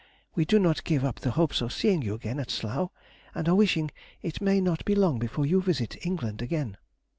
We do not give up the hopes of seeing you again at Slough, and are wishing it may not be long before you visit England again.